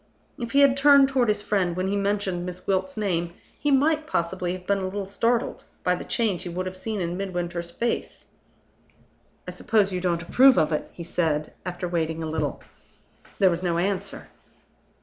If he had turned toward his friend when he mentioned Miss Gwilt's name he might possibly have been a little startled by the change he would have seen in Midwinter's face. "I suppose you don't approve of it?" he said, after waiting a little. There was no answer.